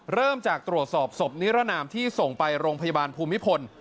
เริ่มจากตรวจสอบศพนิรนามที่ส่งไปโรงพยาบาลภูมิพล